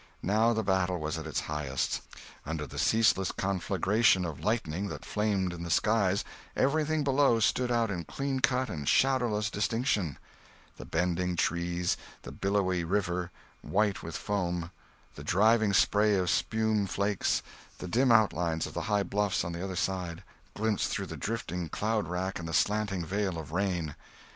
Now the battle was at its highest. Under the ceaseless conflagration of lightning that flamed in the skies, everything below stood out in cleancut and shadowless distinctness: the bending trees, the billowy river, white with foam, the driving spray of spumeflakes, the dim outlines of the high bluffs on the other side, glimpsed through the drifting cloudrack and the slanting veil of rain.